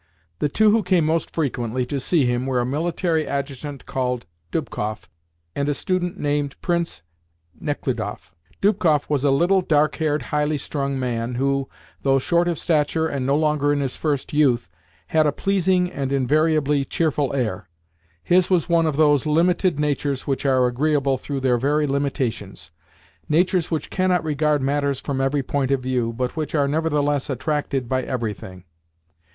The two who came most frequently to see him were a military adjutant called Dubkoff and a student named Prince Nechludoff. Dubkoff was a little dark haired, highly strung man who, though short of stature and no longer in his first youth, had a pleasing and invariably cheerful air. His was one of those limited natures which are agreeable through their very limitations; natures which cannot regard matters from every point of view, but which are nevertheless attracted by everything.